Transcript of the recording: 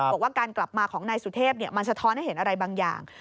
บอกว่าการกลับมาของนายสุเทพมันสะท้อนให้เห็นอะไรบางอย่าง